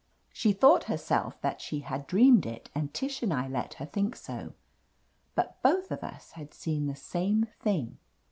She thought herself that she had dreamed it, and Tish and I let her think so. But both of us had seen the same thing.